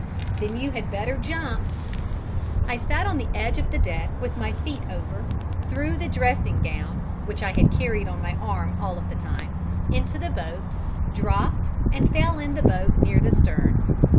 "Then you had better jump." I sat on the edge of the deck with my feet over, threw the dressing gown (which I had carried on my arm all of the time) into the boat, dropped, and fell in the boat near the stern.